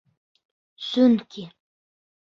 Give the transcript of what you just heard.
Сөнки...